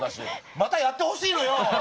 またやってほしいのよ！